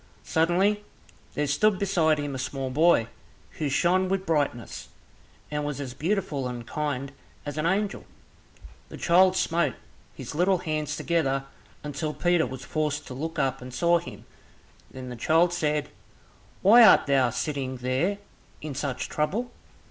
Suddenly there stood beside him a small boy who shone with brightness, and was as beautiful and kind as an angel. The child smote his little hands together, until Peter was forced to look up and saw him. Then the child said, "Why art thou sitting there in such trouble?"